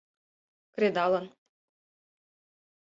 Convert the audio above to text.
Кредалын...